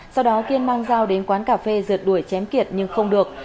sau đó kiên mang dao đến quán cà phê rượt đuổi chém kiệt nhưng không được